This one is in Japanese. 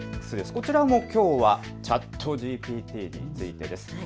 こちらもきょうはＣｈａｔＧＰＴについてです。